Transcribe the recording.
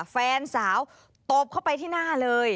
แฟนสาวตบเข้าไปที่หน้าเลย